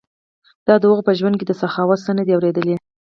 ما د هغوی په ژوند کې د سخاوت څه نه دي اوریدلي.